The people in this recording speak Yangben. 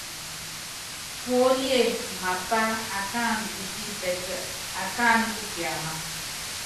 Púólíe mapá akáandú u pípɛ́tɛ́, akáánɛ́ kú kiámáa.